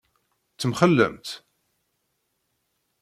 Temxellemt?